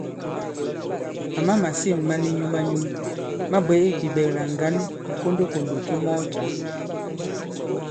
Àma màsîn ma ni nyum-a-nyum ma bwě bìɓɛ̀klà ŋgǎn nì kondokòndò ki mɔɔ cǎ.